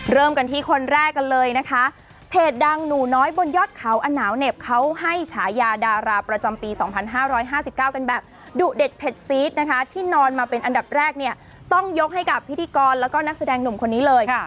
เริ่มกันที่คนแรกกันเลยนะคะเพจดังหนูน้อยบนยอดเขาอนาวเหน็บเขาให้ฉายาดาราประจำปี๒๕๕๙กันแบบดุเด็ดเผ็ดซีดนะคะที่นอนมาเป็นอันดับแรกเนี่ยต้องยกให้กับพิธีกรแล้วก็นักแสดงหนุ่มคนนี้เลย